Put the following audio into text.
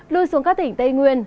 lưu xuống các tỉnh tây nguyên